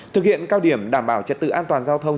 thực hiện cao điểm đảm bảo trật tự an toàn giao thông